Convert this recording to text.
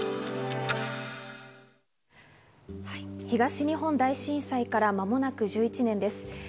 東日本大震災から間もなく１１年です。